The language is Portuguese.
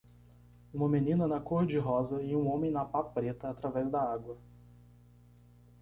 Uma menina na cor-de-rosa e homem na pá preta através da água.